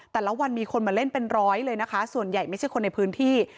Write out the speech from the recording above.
แต่ละวันมีคนมาเล่นเป็นร้อยเลยนะคะส่วนใหญ่ไม่ใช่คนในพื้นที่